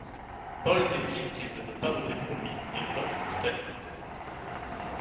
Paul décide qu'il ne veut pas voter pour lui, et vote pour Tammy.